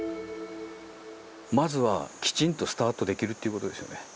まずはきちんとスタートできるっていうことですよね。